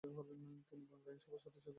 তিনি বাংলার আইনসভার সদস্য ছিলেন।